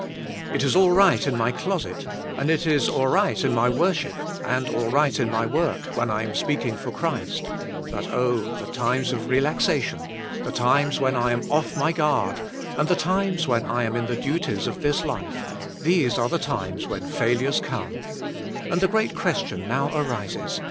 It is all right in my closet and it is all right in my worship and all right in my work when I am speaking for Christ, but oh, the times of relaxation, the times when I am off my guard and times when I am in the duties of this life, these are the times when failures come; and the great question now arises.